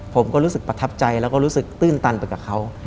ผมก็รู้สึกประทับใจแล้วก็รู้สึกตื้นตันไปกับเขา